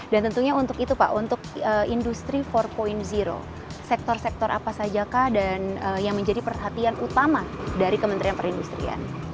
dan tentunya untuk itu pak untuk industri empat sektor sektor apa saja kak dan yang menjadi perhatian utama dari kementerian perindustrian